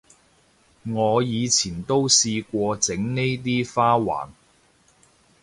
我以前都試過整呢啲花環